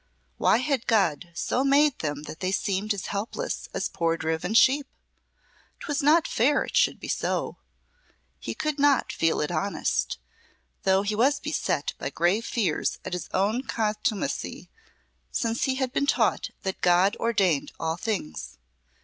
Why had God so made them that they seemed as helpless as poor driven sheep? 'Twas not fair it should be so he could not feel it honest, though he was beset by grave fears at his own contumacy since he had been taught that God ordained all things.